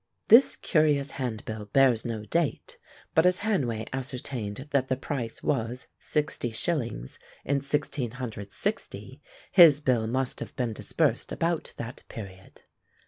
This curious handbill bears no date, but as Hanway ascertained that the price was sixty shillings in 1660, his bill must have been dispersed about that period.